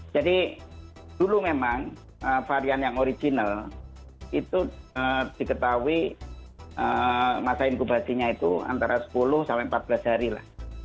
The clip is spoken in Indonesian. jadi dulu memang varian yang original itu diketahui masa inkubasinya itu antara sepuluh sampai empat belas hari lah